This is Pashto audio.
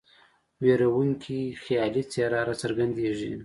ویرونکې خیالي څېره را څرګندیږي.